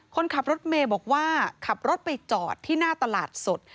คนขับรถเมย์บอกว่าขับรถไปจอดที่หน้าตลาดสด